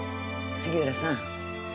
杉浦さん。